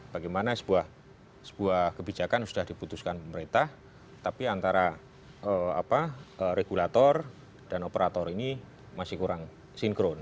bagaimana sebuah kebijakan sudah diputuskan pemerintah tapi antara regulator dan operator ini masih kurang sinkron